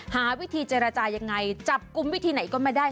หาวิธีเจรจายังไงจับกลุ่มวิธีไหนก็ไม่ได้